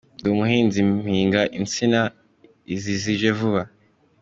Ndi umuhinzi, mpinga intsina izi zije vuba.